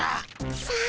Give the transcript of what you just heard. さあ